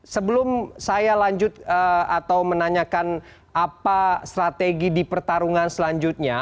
sebelum saya lanjut atau menanyakan apa strategi di pertarungan selanjutnya